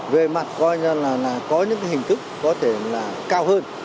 về mặt coi như là có những hình thức có thể là cao hơn